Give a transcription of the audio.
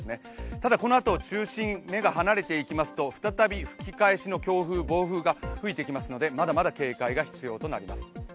ただこのあと、中心、目が離れていきますと再び吹き返しの強風・暴風が吹いてきますのでまだまだ警戒が必要となります。